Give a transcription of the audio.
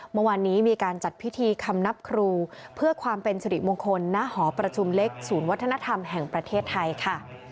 เมื่อวานนี้มีการจัดพิธีคำนับครูเพื่อความเป็นสิริมงคลณหอประชุมเล็กศูนย์วัฒนธรรมแห่งประเทศไทยค่ะ